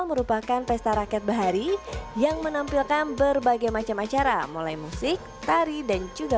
merupakan pesta rakyat bahari yang menampilkan berbagai macam acara mulai musik tari dan juga